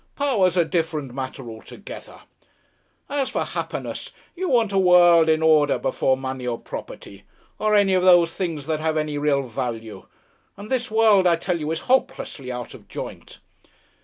Power's a different matter altogether. As for happiness, you want a world in order before money or property, or any of those things that have any real value, and this world, I tell you, is hopelessly out of joint.